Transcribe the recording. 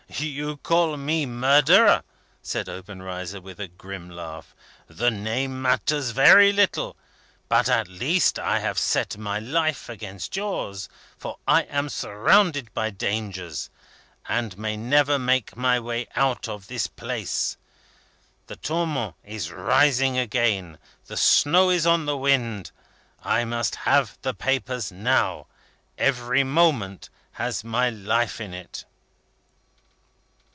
"You call me murderer," said Obenreizer, with a grim laugh. "The name matters very little. But at least I have set my life against yours, for I am surrounded by dangers, and may never make my way out of this place. The Tourmente is rising again. The snow is on the whirl. I must have the papers now. Every moment has my life in it."